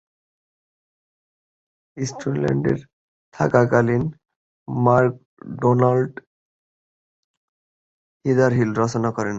স্কটল্যান্ডে থাকাকালীন McDonald "হিদার hill" রচনা করেন।